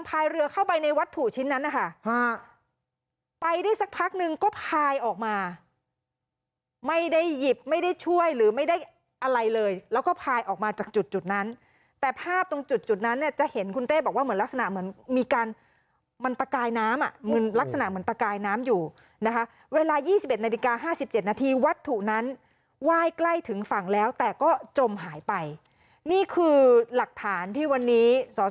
พายเรือเข้าไปในวัตถุชิ้นนั้นนะคะไปได้สักพักนึงก็พายออกมาไม่ได้หยิบไม่ได้ช่วยหรือไม่ได้อะไรเลยแล้วก็พายออกมาจากจุดนั้นแต่ภาพตรงจุดจุดนั้นเนี่ยจะเห็นคุณเต้บอกว่าเหมือนลักษณะเหมือนมีการมันตะกายน้ำอ่ะเหมือนลักษณะเหมือนตะกายน้ำอยู่นะคะเวลา๒๑นาฬิกา๕๗นาทีวัตถุนั้นไหว้ใกล้ถึงฝั่งแล้วแต่ก็จมหายไปนี่คือหลักฐานที่วันนี้สส